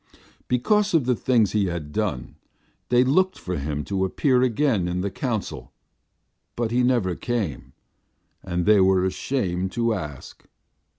Because of the things he had done, they looked for him to appear again in the council, but he never came, and they were ashamed to ask.